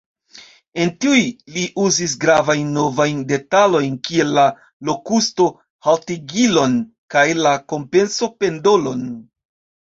En tiuj li uzis gravajn novajn detalojn kiel la lokusto-haltigilon kaj la kompenso-pendolon.